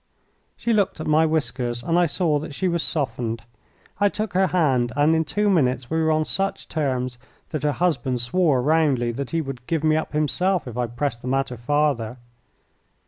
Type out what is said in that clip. She looked at my whiskers and I saw that she was softened. I took her hand, and in two minutes we were on such terms that her husband swore roundly that he would give me up himself if I pressed the matter farther.